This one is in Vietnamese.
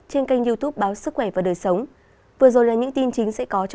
còn bây giờ là nội dung chi tiết